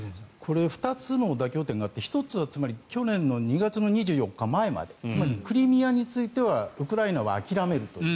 これは２つの妥協点があって１つは去年の２月２４日前までつまりクリミアについてはウクライナは諦めると。